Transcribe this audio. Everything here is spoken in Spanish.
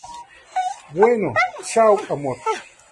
bueno. chao, amor.